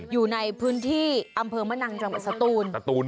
อยู่ในพื้นที่อำเภอมะนังจังหวัดสตูน